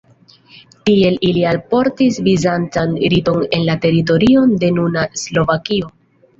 Tiel ili alportis bizancan riton en la teritorion de nuna Slovakio.